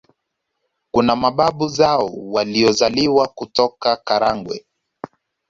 Kuna mababu zao waliozaliwa kutoka Karagwe